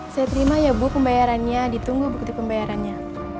saya terima ya bu pembayarannya ditunggu bukti pembayarannya